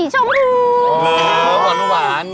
หวานงวาน